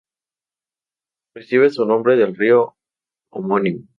Recibe su nombre del río homónimo.